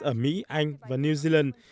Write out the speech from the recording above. ở mỹ anh và new zealand